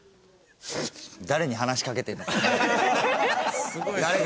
誰に話しかけてるのか。